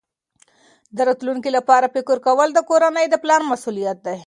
د راتلونکي لپاره فکر کول د کورنۍ د پلار مسؤلیت دی.